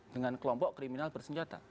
dengan kelompok kriminal bersenjata